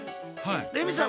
レミさん